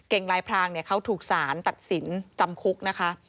เก่งลายพรางเขาถูกสารตัดสินจำคุกนะคะ